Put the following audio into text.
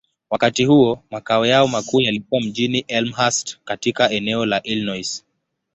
Wakati huo, makao yao makuu yalikuwa mjini Elmhurst, katika eneo la Illinois.